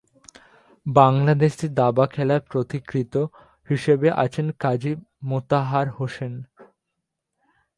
বাংলাদেশে দাবা খেলার পথিকৃৎ হিসেবে আছেন কাজী মোতাহার হোসেন।